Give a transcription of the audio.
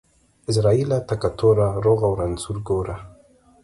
عزرائيله تکه توره ، روغ او رنځور گوره.